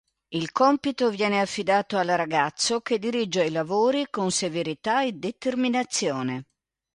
Il compito viene affidato al ragazzo, che dirige i lavori con severità e determinazione.